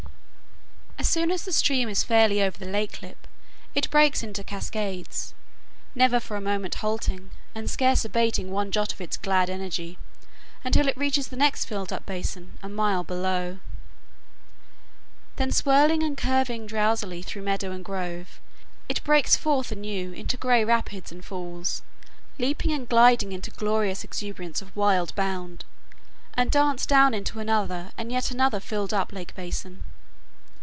As soon as the stream is fairly over the lake lip it breaks into cascades, never for a moment halting, and scarce abating one jot of its glad energy, until it reaches the next filled up basin, a mile below. Then swirling and curving drowsily through meadow and grove, it breaks forth anew into gray rapids and falls, leaping and gliding in glorious exuberance of wild bound and dance down into another and yet another filled up lake basin.